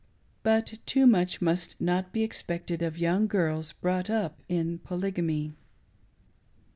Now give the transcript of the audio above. But too much must not be expected of young girls brought up in Polygamy.